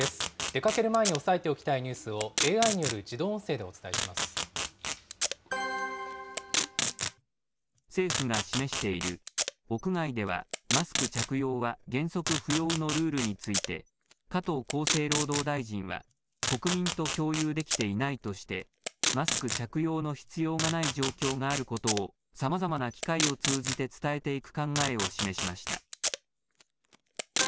出かける前に押さえておきたいニュースをＡＩによる自動音声でお政府が示している屋外ではマスク着用は原則不要のルールについて、加藤厚生労働大臣は、国民と共有できていないとして、マスク着用の必要がない状況があることを、さまざまな機会を通じて伝えていく考えを示しました。